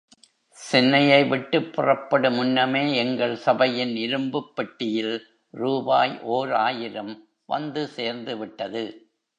சென்னையை விட்டுப் புறப்படு முன்னமே எங்கள் சபையின் இரும்புப் பெட்டியில் ரூபாய் ஓர் ஆயிரம் வந்து சேர்ந்துவிட்டது.